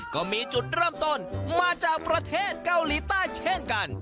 ก็มีจุดเริ่มต้นมาจากประเทศเกาหลีใต้เช่นกัน